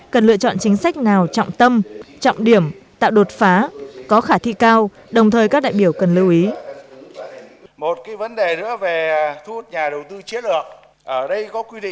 cần lựa chọn chính sách nào trọng tâm trọng điểm tạo đột phá có khả thi cao đồng thời các đại biểu cần lưu ý